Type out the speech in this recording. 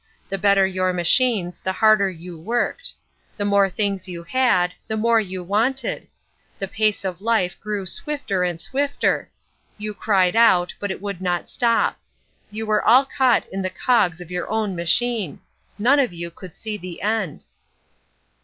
The better your machines, the harder you worked. The more things you had the more you wanted. The pace of life grew swifter and swifter. You cried out, but it would not stop. You were all caught in the cogs of your own machine. None of you could see the end."